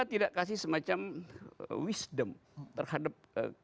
kita tidak kasih semacam wisdom terhadap